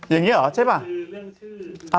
อย่างนี้เหรอใช่ป่ะ